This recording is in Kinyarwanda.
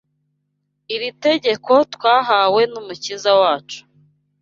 Iri tegeko twahawe n’Umukiza wacu